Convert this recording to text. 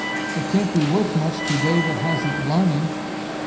It can't be worth much to they that hasn't larning!